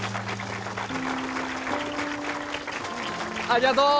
ありがとう！